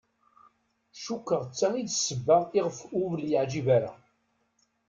Cukkeɣ d ta i d ssebba iɣef ur wen-εǧibeɣ ara.